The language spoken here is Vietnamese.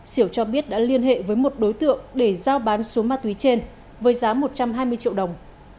siểu cho biết đã liên hệ với một đối tượng để giao bán số ma túy trên với giá một trăm hai mươi triệu đồng